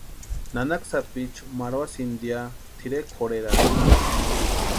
Nanaka sapichu marhuasïnti ya tʼirekwa jorherhantani.